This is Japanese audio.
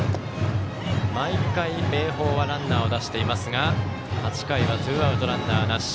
毎回、明豊はランナーを出していますが８回はツーアウト、ランナーなし。